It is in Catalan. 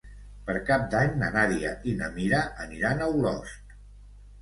Per Cap d'Any na Nàdia i na Mira aniran a Olost.